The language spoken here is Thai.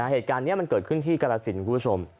เหตุการณ์นี้มันเกิดขึ้นที่กรสินคุณผู้ชม